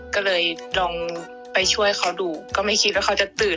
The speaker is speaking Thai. ก็เลยลองไปช่วยเขาดูก็ไม่คิดว่าเขาจะตื่น